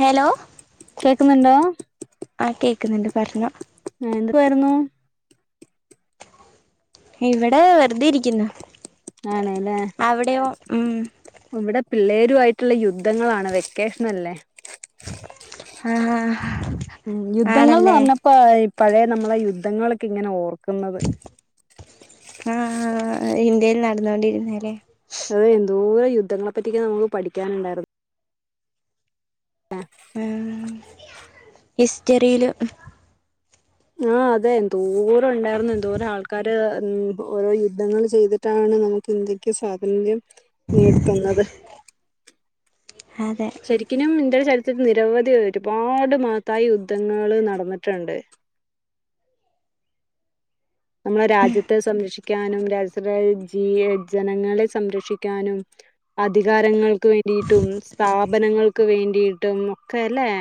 Hello കേൾക്കുന്നുണ്ടോ ആഹ് കേക്കുന്നുണ്ട് പറഞ്ഞോ എന്തട്ക്കായിരുന്നു ഇവിടെ വെറുതെരിക്കുന്നു ആണ്ല്ലേ ഉം ഇവിടെ പിള്ളേരു ആയിട്ടുള്ള യുദ്ധങ്ങളാണ് വെക്കേഷനല്ലേ ആഹ ആണല്ലേ ഇ പഴേ നമ്മളെ യുദ്ധങ്ങൾക്കിങ്ങനെ ഓർക്കുന്നത് ആഹ് ഇന്ത്യയിൽ നടന്നോൊണ്ടിരുന്നല്ലേ ആഹ് എന്തോ യുദ്ധങ്ങളെ പറ്റിയോ ക്കെ നമുക്ക് പഠിക്കാനുണ്ടായിരുന്നു ഉംഹ് ഹിസ്റ്ററിയില് ആഹ് അതെ എന്തോരണ്ടായിരുന്നു എന്തോരം ആൾക്കാര് ഉംഹ് ഓരോ യുദ്ധങ്ങൾ ചെയ്തിട്ടാണ് നമുക്ക് ഇന്ത്യക്ക് സ്വാതന്ത്ര്യം നേടിത ന്നത് അതെ ശരിക്കിനുംഇന്ത്യൻ ചരിത്രത്തിൽ നിരവധി ഒരുപാട് മഹത്തായ യുദ്ധങ്ങള് നടന്നിട്ടുണ്ട് നമ്മളെ രാജ്യത്തെ സംരക്ഷിക്കാനും രാഷ്രജീ യെ ജനങ്ങളെ സംരക്ഷിക്കാനും അധികാരങ്ങൾക്ക് വേണ്ടിയിട്ടും സ്ഥാപനങ്ങൾക്ക് വേണ്ടിട്ടും ഒക്കെല്ലേ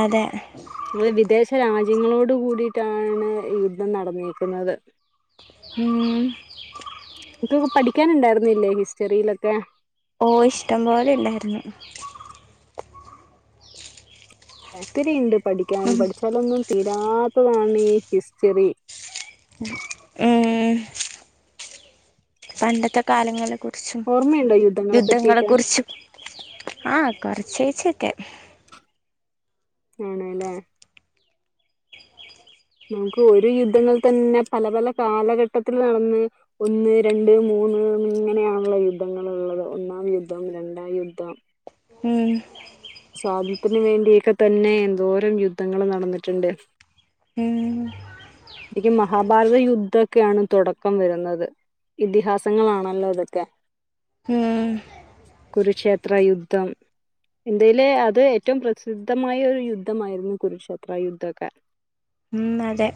അതെ വിദേശ രാജ്യങ്ങളോട് കൂടിയിട്ടാണ് യുദ്ധം നടന്നിരിക്കുന്നത് ഉം ൻ കൊക്കെ പഠിക്കാനുണ്ടായിരുന്നില്ലേ ഹിസ്റ്ററിയിലൊക്കെ ഓയിഷ്ടം പോലെ അല്ലായിരുന്നൊ ത്തിരിണ്ട് പഠിക്കാൻ ഉം പഠിച്ചാലൊന്നും തീരാത്തതാണ് ഈ ഹിസ്റ്ററി ഉം പണ്ടത്തെ കാലങ്ങളെ കുറിച്ചും ഓർമ്മയുണ്ടോ യുദ്ധങ്ങളെ പറ്റിയൊക്കെ കുറിച്ചും ആഹ് കൊറച്ചേച്ചോക്കെ ആണ്ലേ ഇൻക്ക് ഒര് യുദ്ധങ്ങൾ തന്നെ പല പല കാലഘട്ടത്തിലാന്ന് ഒന്ന് രണ്ട് മൂന്ന് ഇങ്ങനെയാൺള്ളോ യുദ്ധങ്ങള്ള്ളത് ഒന്നാം യുദ്ധം രണ്ടാം യുദ്ധം ഉം സോതത്രയാത്തിനന് വേണ്ടിയൊക്കെ തന്നെ എന്തോരം യുദ്ധങ്ങൾ നടന്നിട്ടുണ്ട് ഉം ക്ക് മഹാഭാരത യുദ്ധൊക്കെയാണ് തുടക്കം വരുന്നത് ഇതിഹാസങ്ങളാണല്ലോതൊക്കെ ഉം കുരുക്ഷേത്ര യുദ്ധം ഇന്ത്യയിലെ അത് ഏറ്റവും പ്രസിദ്ധമായ ഒരു യുദ്ധമായിരുന്നു കുരുക്ഷേത്ര യുദ്ധമക്കെ. ഹ്മ്മ് അതെ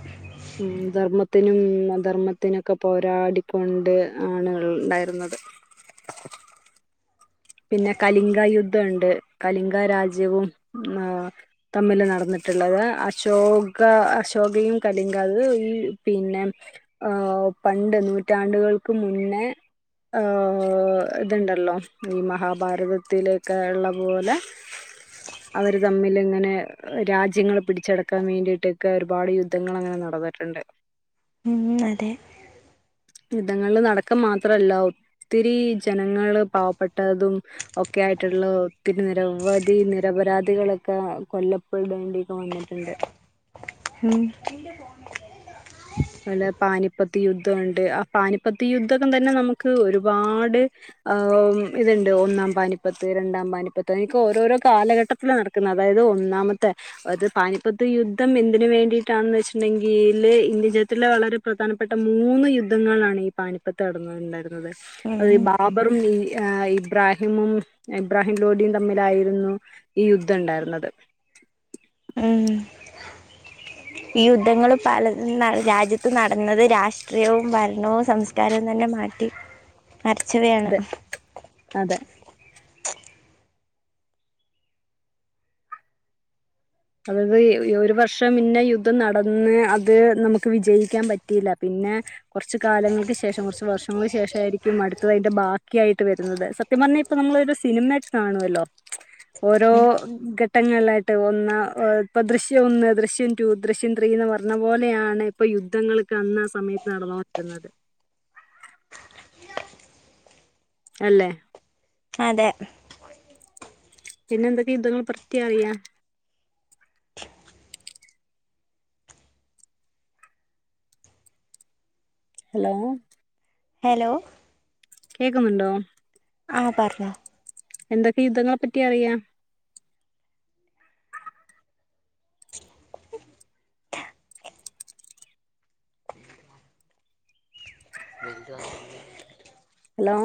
ഹ്മ്മ് ധർമ്മത്തിനും അധർമ്മത്തിനൊക്കെ പോരാടിക്കൊണ്ട് ആണ് ഇണ്ടായിരുന്നത് [inaudible] പിന്നെ കലിംങ്ക യുദ്ധണ്ട് കലിംഗ രാജ്യവും ആഹ് തമ്മില് നടന്നിട്ട്ള്ളത് അത് അശോക അശോകയും കലിങ്ക അത് ഈ പിന്നെ ആഹ് പണ്ട് നൂറ്റാണ്ട്‌കൾക്ക് മുന്നേ ആഹ് ഇത്ണ്ടല്ലോ ഈ മഹാഭാരതത്തിലേക്കെ ഇള്ള പോലെ അവര് തമ്മില്ങ്ങനെ രാജ്യങ്ങള് പിടിച്ചടക്കാൻ വേണ്ടിയിട്ടൊക്കെ ഒരുപാട് യുദ്ധങ്ങള് അങ്ങനെ നടന്നിട്ടുണ്ട് ഹ്മ്മ് അതെ. യുദ്ധങ്ങള് നടക്ക മാത്രല്ല ഒത്തിരി ജനങ്ങള് പാവപ്പെട്ടതും ഒക്കെ ആയിട്ട്ള്ള ഒത്തിരി നിരവധി നിരപരാധികളൊക്കെ കൊല്ലപ്പെടേണ്ടിക വന്നിട്ട്ണ്ട് ഹ്മ്മ് പല പാനിപ്പത്തി യുദ്ധവുണ്ട് ആ പാനിപ്പത്തി യുദ്ധൊക്കം തന്നെ നമുക്ക് ഒരുപാട് ആഹ് ഇത്ണ്ട് ഒന്നാം പാനിപ്പത്ത് രണ്ടാം പാനിപ്പത്ത് അതിനൊക്കെ ഓരോരോ കാലഘട്ടം യുദ്ധം നടക്കുന്നത് അതായിത് ഒന്നാമത്തെ അത് പാനിപ്പത്ത് യുദ്ധം എന്തിന് വേണ്ടിയിട്ടാണ്ന്ന് വെച്ച്ട്ട്ണ്ടെങ്കില് ഇന്തിച ത്തിലെ വളരെ പ്രധാനപ്പെട്ട മൂന്ന് ത്തിലെ വളരെ പ്രധാനപ്പെട്ട മൂന്ന് യുദ്ധങ്ങളാണ് ഈ പാനിപ്പത്ത് നടന്ന്ണ്ടായിരുന്നത്. അത് ഉം ഈ ബാ ർബറും ഈ ഏഹ് ഇബ്രാഹിമും ഇബ്രാഹിം ലോഡിയും തമ്മിലായിരുന്നു ഈ യുദ്ധം ഇണ്ടായിര്ന്നത്. ഹ്മ്മ് ഈ യുദ്ധങ്ങള് പലതും ന രാജ്യത്ത് നടന്നത് രാഷ് ഷ്ട്രയവും ഭരണവും സംസ്കാരവും തന്നെ മാറ്റി മറച്ചവയാണ്. അതെ അതെ. അതായിത് ഒരു വർഷം പിന്നെ യുദ്ധം നടന്ന് അത് നമുക്ക് വിജയിക്കാൻ പറ്റില്ല പിന്നെ കൊറച്ച്കാലങ്ങൾക്ക് ശേഷം കൊറച്ച് വർഷങ്ങൾക്ക് ശേഷം ആയിരിക്കും അടുത്തത് അതിന്റെ ബാക്കി ആയിട്ട് വരുന്നത്. സ സത്യം പറഞ്ഞാ ഇപ്പ നമ്മളൊര് സിനിമയൊക്കെ കാണുവല്ലോ ഓരോ ഉം ഘട്ടങ്ങള്ലായിട്ട് ഒന്ന് ഏഹ് ഇപ്പ ദൃശ്യം ഒന്ന് ദൃശ്യം ടു ദൃശ്യം ത്രീന്ന് പറഞ്ഞ പോലെയാണ് ഇപ്പം യുദ്ധങ്ങള് കാണുന്ന ആ സമയ നടന്നോണ്ടിരുന്നത്. അല്ലേ അതെ. പിന്നെ എന്തൊക്കെ യുദ്ധങ്ങൾ പ്രതിം അറിയാം? ഹലോ ഹെലോ കേക്കുന്നുണ്ടോ ആഹ് പറ്ഞ്ഞോ എന്തൊക്കെ യുദ്ധങ്ങളെ പറ്റി അറിയാം [inaudible] [inaudible] ഹലോ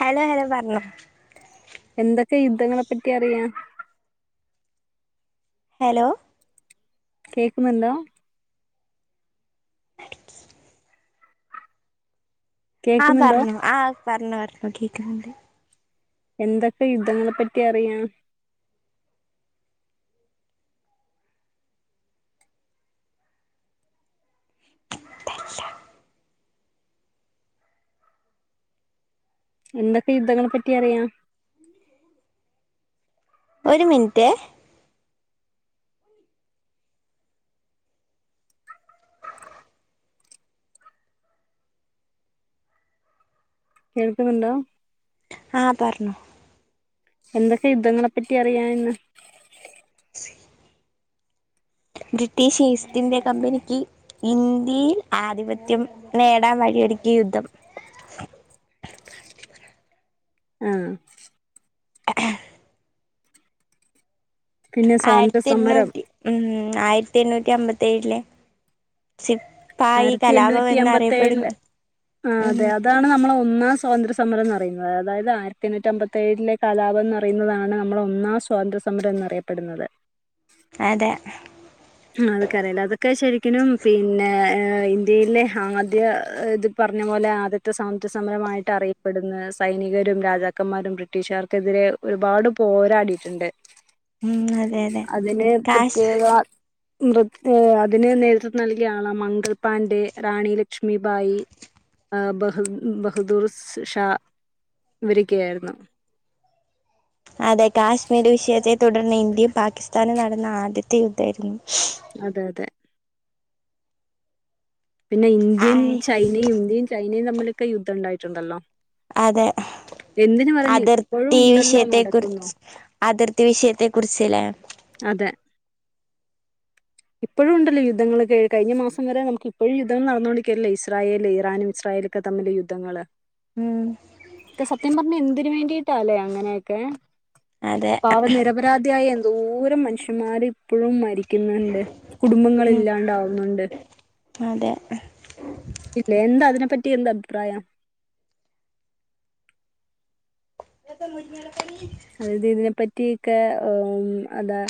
ഹലോ ഹലോ പറഞ്ഞോ എന്തൊക്കെ യുദ്ധങ്ങളെ പറ്റി അറിയാം? ഹലോ കേക്ക്ന്നുണ്ടോ ആഹ് കേക്കുന്നുണ്ടോ പറഞ്ഞു ആഹ് അത് പറഞ്ഞു ഒറപ്പാക്കിക്കാണ്ട്. എന്തൊക്കെ യുദ്ധങ്ങളെ പറ്റി അറിയാ? എന്തൊക്കെ യുദ്ധങ്ങളെ പറ്റി അറിയാ? ഒരു മിനിറ്റെ കേൾക്കുന്നുണ്ടോ ആഹ് പറഞ്ഞോ എന്തൊക്കെ യുദ്ധങ്ങളെപ്പറ്റി അറിയാ എന്ന്? സി ബ്രിട്ടീഷ് ഈസ്റ്റ് ഇന്ത്യ കമ്പനിക്ക് ഇന്ത്യയിൽ ആധിപത്യം നേടാൻ വഴിയൊരുക്കിയ യുദ്ധം ആഹ് [unintelligible] പിന്നെ സ്വാതന്ത്ര്യ ആയിരത്തി സമരം എണ്ണൂറ്റി ഉം ആയിരത്തി എണ്ണൂറ്റി അമ്പത്തി ഏഴിലെ സി പ്പായി ആയിരത്തി കലാപം എണ്ണൂറ്റി എന്നറിയപ്പെടുന്നു അമ്പത്തേഴില് ആഹ് ഉം അതെ അതാണ് നമ്മളെ ഒന്നാം സ്വാതന്ത്ര സമരന്ന് പറയുന്നത് അതായത് ആയിരത്തി എണ്ണൂറ്റി അമ്പത്തി ഏഴിലെ കലാപം നട പറയുന്നതാണ് നമ്മടെ ഒന്നാം സ്വാതന്ത്ര്യ സമരം എന്നറിയപ്പെടുന്നത് അതെ ആഹ് അതെക്കറിയാലെ അതൊക്കെ ശരിക്കിനും പിന്നെ ഏഹ് ഇന്ത്യയിലെ ആദ്യ ഇത് ഈ പറഞ്ഞ പോലെ ആദ്യത്തെ സ്വാതന്ത്ര സമരായിട്ട് അറിയപ്പെടുന്ന സൈനികരും രാജാക്കന്മാരും ബ്രിട്ടീഷുകാർക്കെതിരെ ഒരുപാട് പോരാടിട്ട്ണ്ട് ഉം അതെ അതെ അതിന് കാശ് പ്രത്യേക മൃദ് ഏഹ് അതിന് നേതൃത്വം നൽകിയ ആളാണ് മംഗൾപാണ്ഡെ റാണി ലക്ഷ്മിബായി ആഹ് ബഹ് ബഹ്ദൂർ ഷാ ഇവരൊക്കെ ആയിരുന്നു അതെ കാശ്മീർ വിഷയത്തെ തുടർന്ന് ഇന്ത്യയും പാകിസ്ഥാനും നടന്ന ആദ്യത്തെ യുദ്ധായിരുന്നു അതെ അതെ പിന്നെ ഇന്ത്യൻ ആയ് ചൈനയും ഇന്ത്യയും ചൈനയും തമ്മിലൊക്കെ യുദ്ധം ഇണ്ടായിട്ടുണ്ടല്ലോ അതെ ഇപ്പോഴും അതിർത്തി ഉണ്ടല്ലോ വിഷയത്തെ നടക്കുന്നു കുറിച്ച് അതിർത്തി വിഷയത്തെ കുറിച്ച്ലേ അതെ ഇപ്പഴുണ്ടല്ലോ യുദ്ധങ്ങളക്കെ കഴിഞ്ഞ മാസം വരെ നമ്മക്ക് ഇപ്പഴും യുദ്ധങ്ങള് നടന്നോണ്ടരിക്കല്ലേ ഇസ്രായേല് ഇറാനും ഇസ്രയേലും ക്കെ തമ്മില് യുദ്ധങ്ങള് ഉം ക്കെ സത്യം പറഞ്ഞാ എന്തിന് വേണ്ടിട്ടാല്ലേ അങ്ങനെയൊക്കെ അതെ പാവം നിരപരാധിയായ എന്തോരം മനുഷ്യന്മാര് ഇപ്പഴും മരിക്കുന്നുണ്ട് ഉം കുടുംബങ്ങളില്ലാണ്ടാവുന്നുണ്ട് അതെ ഉം ഇല്ല എന്താ അതിനെപ്പറ്റി എന്താ അഭിപ്രായം? ഇവിടെ മുരിങ്ങേലക്കറിം അതായത് ഇതിനെപ്പറ്റിക്കെ ഏം അതാ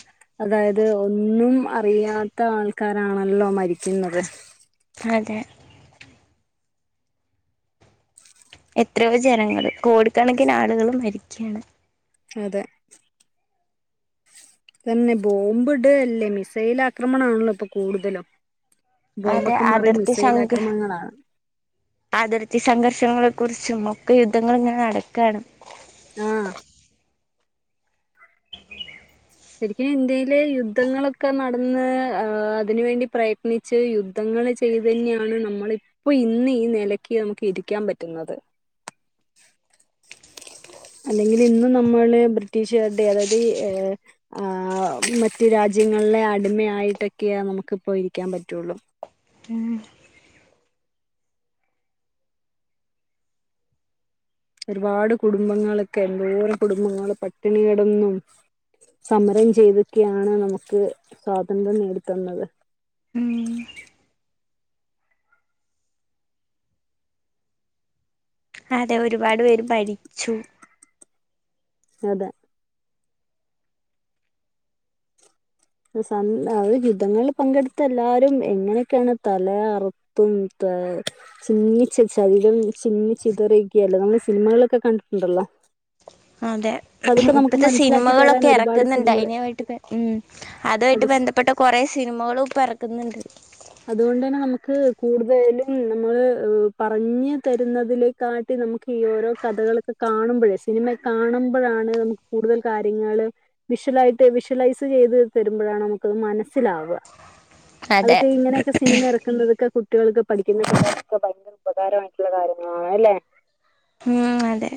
അതായത് ഒന്നും അറിയാത്ത ആൾക്കാരാണല്ലോ മരിക്കുന്നത് അതെ എത്രയോ ജനങ്ങള് കോടിക്കണക്കിന് ആളുകള് മരിക്കയാണ് അതെ അതെന്നെ ബോംബ്ടല്ലേ മിസൈൽ ആക്രമണ ആണല്ലോ ഇപ്പൊ കൂടുതലും അതെ ബോംബൊക്കെ മാറി അതിർത്തി മിസൈൽ സംഘ ആക്രമണങ്ങളാ അതിർത്തി സംഘർഷങ്ങളെ കുറിച്ചും ഒക്കെ യുദ്ധങ്ങള്ങ്ങനെ നടക്കാണ് ആഹ് ശരിക്കും ഇന്ത്യയിലെ യുദ്ധങ്ങളൊക്കെ നടന്ന് അതിനുവേണ്ടി പ്രയത്നി ച്ച് യുദ്ധങ്ങൾ ചെയ്തെന്നെയാണ് നമ്മള് ഇപ്പോ ഇന്ന് ഈ നെലയ്ക്ക് നമുക്ക് ഇരിക്കാൻ പറ്റുന്നത്. അല്ലെങ്കിലിന്ന് നമ്മള് ബ്രിട്ടീഷുകാരുടെ അതായത് ആ, ആ മറ്റു രാജ്യങ്ങള്ടെ അടിമയായിട്ടൊക്കെ നമുക്ക്പ്പോ ഇരിക്കാൻ പറ്റുള്ളു. ഉം. ഒരുപാട് കുടുംബങ്ങളൊക്കെ എന്തോര കുടുംബങ്ങള് പട്ടിണി കിടന്നും സമരം ചെയ്തക്കെയാണ് നമുക്ക് സ്വാതന്ത്ര്യം നേടിത്തന്നത്. ഉം അതെ ഒരുപാട് പേര് ഭരിച്ചു. അതെ. അത് യുദ്ധങ്ങളിൽ പങ്കെടുത്ത എല്ലാ വരും എങ്ങനെയൊക്കെയാണ് തല അർ അറത്തും തു ചിന്നിച്ച ശരീരം ചിന്നി ചിതറി ഒക്കെ അല്ലേ നമ്മള് സിനിമകളിലോക്കെ കണ്ടിട്ടുണ്ടല്ലോ. അതെ അപ്പൊ അതൊക്കെ നമുക്ക് ഇപ്പത്തെ മനസ്സിലാക്കി തരാൻ സിനിമകളൊക്കെ ഒരുപാട് ഇറക്കുന്നുണ്ട് സിനിമകൾ അനമായിട്ട് ഉം അതുമായിട്ട് അത് ബന്ധപ്പെട്ട കൊറെ സിനിമകളും ഇപ്പോ ഇറക്കുന്നുണ്ട്. അതുകൊണ്ട് തന്നെ നമുക്ക് കൂടുതലും നമ്മള് പറഞ്ഞ് തരുന്നതിലേ കാട്ടി നമുക്ക് ഈ ഓരോ കഥകളൊക്കെ കാണുമ്പോഴേ സിനിമയിൽ കാണുമ്പോഴാണ് നമുക്ക് കൂടുതൽ കാര്യങ്ങൾ. വിഷ്വലായിട്ട് വിഷ്വലൈസ് ചെയ്ത് തരുമ്പോഴാണ് നമുക്ക് അത് മനസ്സിലാവുക. അതെ അതൊക്കെ ഇങ്ങനെയൊക്കെ സിനിമ ഇറ ഇങ്ങനെ ഉള്ളതൊക്കെ കുട്ടികൾക്ക് പഠിക്കുന്നത് ഭയങ്കര ഉപകാരമായിട്ടുളള കാര്യങ്ങളാണല്ലേ. ഉം അതെ.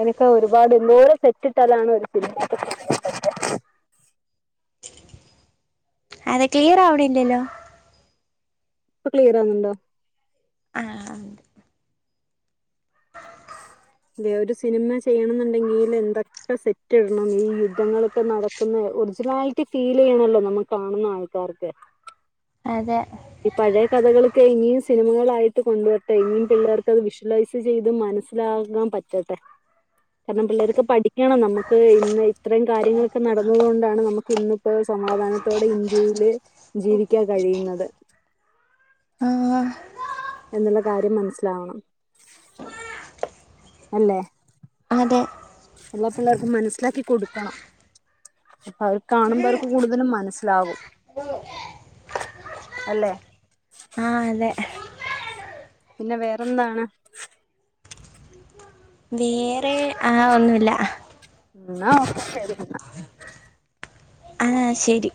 എനിക്ക് ഒരുപാട് എന്തോരം സെറ്റ് ഇട്ടാലാണ് ഒരു സിനിമക്ക അതെ ക്ലിയർ ആവണില്ലല്ലോ. ഇപ്പോ ക്ലിയർ ആവുന്നുണ്ടോ. ആഹ ഇണ്ട്. അതെ ഒരു സിനിമ ചെയ്യണം എന്നുണ്ടെങ്കിൽ എന്തൊക്കെ സെറ്റ് ഇടണം ഈ യുദ്ധങ്ങളൊക്കെ നട നടക്കുന്ന ഒറിജിനാലിറ്റി ഫീൽ ചെയ്യണല്ലോ നമ്മ കാണുന്ന ആൾക്കാർക്ക്. അതെ. ഈ പഴയ കഥകളാക്കെ ഇനിയും സിനിമകളായിട്ട് കൊണ്ടുവരട്ടെ ഇനിയും പിള്ളേർക്ക് അത് വിഷ്വലൈസ്. ചെയ്ത് മനസിലാകാൻ പറ്റട്ടെ. കാരണം പിള്ളേർക്കെ പഠി പഠിക്കണം നമുക്ക് ഇന്ന് ഇത്രയും കാര്യങ്ങളൊക്കെ നടന്നതുകൊണ്ടാണ് നമുക്ക് ഇന്നിപ്പോ സമാധാനത്തോടെ ഇന്ത്യയില്. ജീവിക്കാൻ കഴിയുന്നത്. ആഹ്. എന്നുള്ള കാര്യം മനസ്സിലാവണം. അല്ലേ. അതെ. എല്ലാ പിള്ളേർക്ക് മനസ്സിലാക്കി കൊടുക്കണം അപ്പോ അവർ കാണുമ്പോ അവർക്ക് കൂടുതലും മനസ്സി പ്ലാവും. ഹലോ. അല്ലേ. ആഹ് അതെ. പിന്നെ വേറെന്താണ്? വേറെ ആ ഒന്നുമില്ല. എന്നാ ഓക്കേ ശരിന്ന. ആഹ് ശരി.